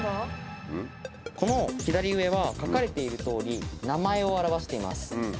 この左上は書かれている通り名前を表しています。